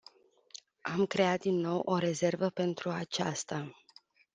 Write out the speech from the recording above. Am creat din nou o rezervă pentru aceasta.